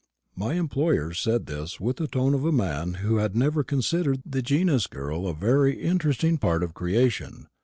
My employer said this with the tone of a man who had never considered the genus girl a very interesting part of creation.